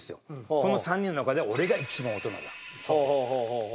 この３人の中では俺が一番大人だって。